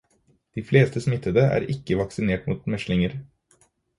De fleste smittede er ikke vaksinert mot meslinger.